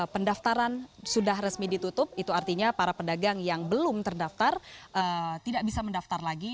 pendaftaran sudah resmi ditutup itu artinya para pedagang yang belum terdaftar tidak bisa mendaftar lagi